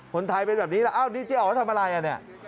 คนไทยเป็นแบบนี้แล้วอ้าวดีเจอ๋อทำอะไรอ่ะเนี่ย